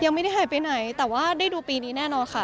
ยังไม่ได้หายไปไหนแต่ว่าได้ดูปีนี้แน่นอนค่ะ